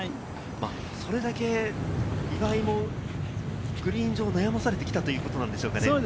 それだけ岩井もグリーン上、悩まされてきたということなんでしょうかね。